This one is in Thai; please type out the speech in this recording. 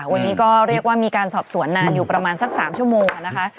วันนี้ก็เรียกว่ามีการสอบสวนนานอยู่ประมาณสัก๓ชั่วโมงนะคะ